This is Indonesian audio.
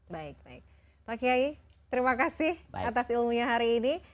baik baik pak kiai terima kasih atas ilmunya hari ini